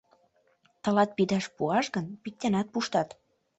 — Тылат пидаш пуаш гын, пиктенат пуштат.